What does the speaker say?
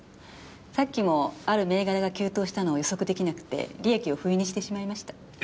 さっきもある銘柄が急騰したのを予測できなくて利益をフイにしてしまいました。